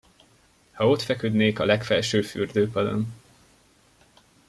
Ha ott feküdnék a legfelső fürdőpadon...